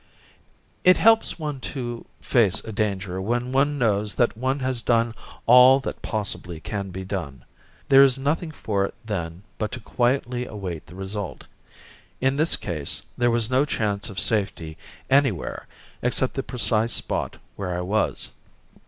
It helps one to face a danger when one knows that one has done all that possibly can be done. There is nothing for it then but to quietly await the result. In this case, there was no chance of safety anywhere except the precise spot where I was.